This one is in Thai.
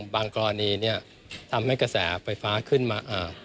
กรณีทำให้กระแสไฟฟ้าขึ้นมา